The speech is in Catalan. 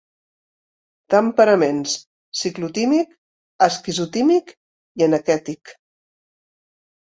Temperaments: ciclotímic, esquizotímic i enequètic.